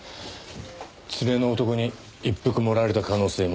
連れの男に一服盛られた可能性も。